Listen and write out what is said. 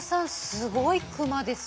すごいクマですよ。